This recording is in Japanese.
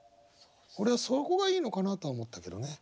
俺はそこがいいのかなとは思ったけどね。